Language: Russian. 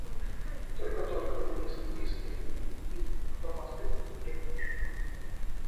Только тот коммунист истый, кто мосты к отступлению сжег.